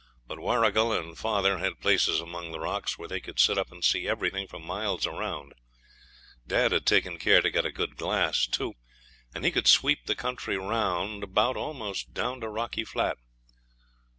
But Warrigal and father had places among the rocks where they could sit up and see everything for miles round. Dad had taken care to get a good glass, too, and he could sweep the country round about almost down to Rocky Flat.